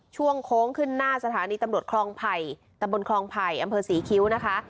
ช่วงโค้งขึ้นหน้าสถานีตำบลคลองภัยอำเภอศรีคิ้วนะคะ